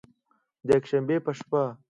د یکشنبې په شپه